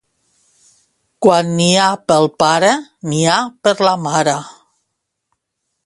Quan n'hi ha pel pare, n'hi ha per la mare.